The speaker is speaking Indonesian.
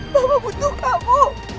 mama butuh kamu